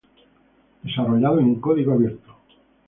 desarrollado en código abierto